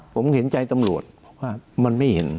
ผมเห็นใจตำรวจว่ามันไม่เห็น